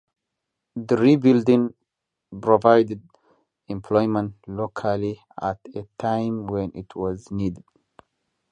The rebuilding provided employment locally, at a time when it was needed.